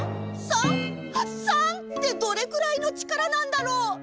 ３？３？３？３ってどれくらいの力なんだろう？